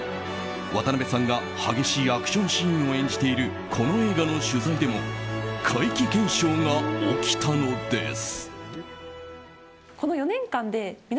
渡邊さんが激しいアクションシーンを演じているこの映画の取材でも怪奇現象が起きたのです。